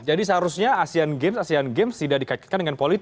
jadi seharusnya asian games tidak dikaitkan dengan politik